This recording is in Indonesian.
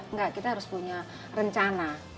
enggak kita harus punya rencana